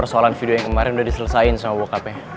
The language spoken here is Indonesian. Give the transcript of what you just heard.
karena persoalan video yang kemarin udah diselesain sama bokapnya